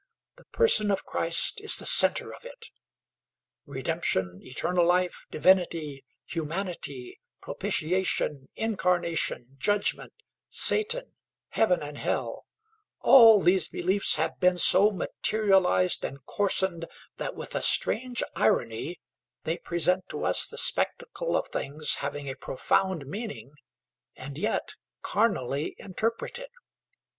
The person of Christ is the centre of it. Redemption, eternal life, divinity, humanity, propitiation, incarnation, judgment, Satan, heaven and hell, all these beliefs have been so materialized and coarsened that with a strange irony they present to us the spectacle of things having a profound meaning and yet carnally interpreted.